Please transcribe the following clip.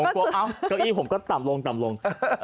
เก้าอี้ผมก็ต่ำลง